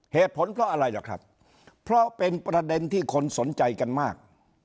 เหตุผลเพราะอะไรล่ะครับเพราะเป็นประเด็นที่คนสนใจกันมาก